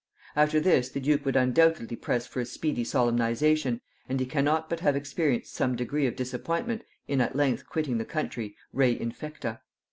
After this the duke would undoubtedly press for a speedy solemnization, and he cannot but have experienced some degree of disappointment in at length quitting the country, re infecta.